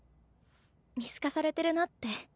見透かされてるなって。